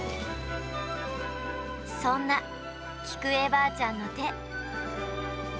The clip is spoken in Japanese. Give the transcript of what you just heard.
そんな菊恵ばあちゃんの手。